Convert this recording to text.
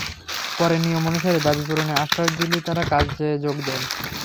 পরে নিয়ম অনুসারে দাবি পূরণের আশ্বাস দিলে তাঁরা কাজে যোগ দেন।